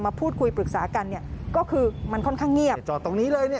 พูดคุยปรึกษากันเนี่ยก็คือมันค่อนข้างเงียบจอดตรงนี้เลยเนี่ย